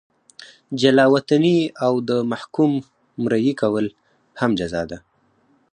جلا وطني او د محکوم مریي کول هم جزا ده.